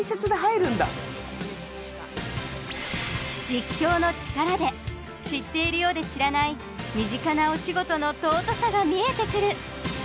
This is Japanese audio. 実況の力で知っているようで知らない身近なお仕事の“尊さ”が見えてくる。